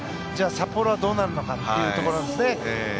じゃあ、札幌はどうなるのかというところですね。